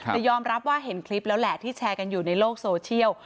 แต่ยอมรับว่าเห็นคลิปแล้วแหละที่แชร์กันอยู่ในโลกโซเชียล